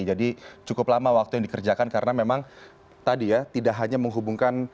jadi cukup lama waktu yang dikerjakan karena memang tadi ya tidak hanya menghubungkan